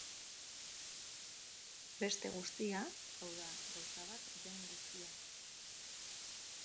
Beste guztia, hau da, gauza bat den guztia.